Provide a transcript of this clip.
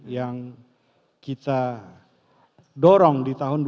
yang kita dorong di tahun ini